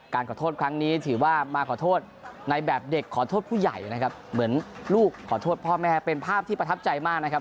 ขอโทษครั้งนี้ถือว่ามาขอโทษในแบบเด็กขอโทษผู้ใหญ่นะครับเหมือนลูกขอโทษพ่อแม่เป็นภาพที่ประทับใจมากนะครับ